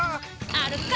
あるか！